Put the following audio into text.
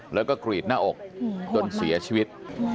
แล้วก็กรีดหน้าอกจนเสียชีวิต